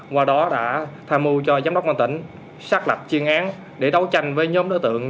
qua đó đã tham mưu cho giám đốc công an tỉnh xác lập chuyên án để đấu tranh với nhóm đối tượng